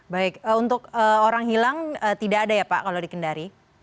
baik untuk orang hilang tidak ada ya pak kalau di kendari